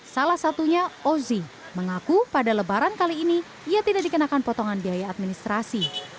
salah satunya ozi mengaku pada lebaran kali ini ia tidak dikenakan potongan biaya administrasi